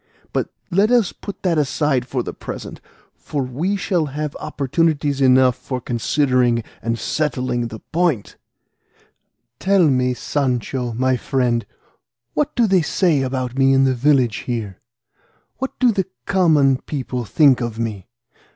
But let us put that aside for the present, for we shall have opportunities enough for considering and settling the point; tell me, Sancho my friend, what do they say about me in the village here? What do the common people think of me?